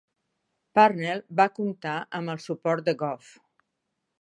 Parnell va comptar amb el suport de Gov.